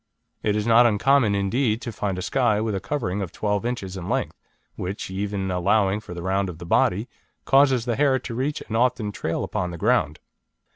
It is not uncommon, indeed, to find a Skye with a covering of 12 inches in length, which, even allowing for the round of the body, causes the hair to reach and often to trail upon the ground.